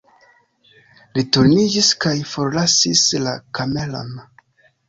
Li turniĝis kaj forlasis la kameron.